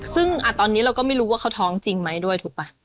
ซึ่งตอนนี้เราก็ไม่รู้ว่าเขาท้องจริงไหมด้วยถูกป่ะ